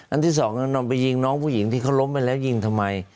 ที่สองนำไปยิงน้องผู้หญิงที่เขาล้มไปแล้วยิงทำไม